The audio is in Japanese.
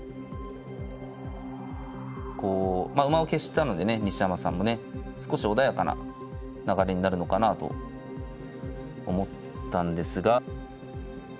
こう馬を消したのでね西山さんもね少し穏やかな流れになるのかなと思ったんですが。